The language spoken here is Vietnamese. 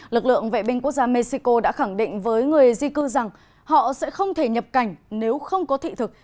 lực lượng vệ binh quốc gia mexico đã khẳng định với người di cư rằng họ sẽ không thể nhập cảnh nếu không có thị thực